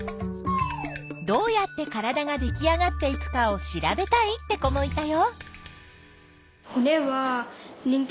どうやって体ができあがっていくかを調べたいって子もいたよ。